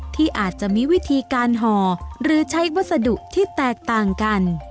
ที่อาจจะมีวิธีการห่อหรือใช้วัสดุที่แตกต่างกัน